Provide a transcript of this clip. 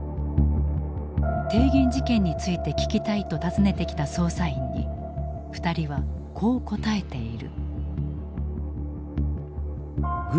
帝銀事件について聞きたいと訪ねてきた捜査員に２人はこう答えている。